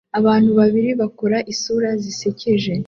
Abantu babiri bakora isura zisekeje